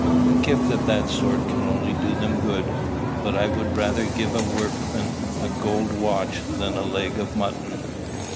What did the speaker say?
A gift of that sort can only do them good. But I would rather give a workman a gold watch than a leg of mutton.